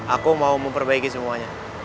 aku mau memperbaiki semuanya